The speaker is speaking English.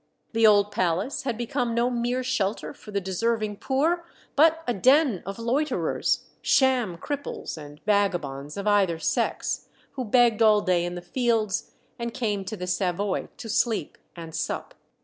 The old palace had become no mere shelter for the deserving poor, but a den of loiterers, sham cripples, and vagabonds of either sex, who begged all day in the fields and came to the Savoy to sleep and sup.